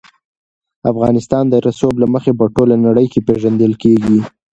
افغانستان د رسوب له مخې په ټوله نړۍ کې پېژندل کېږي.